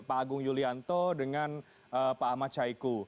pak agung yulianto dengan pak ahmad syaiku